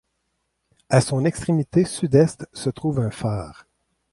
À son extrémité sud-est se trouve un phare.